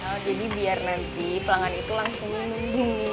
oh jadi biar nanti pelanggan itu langsung masuk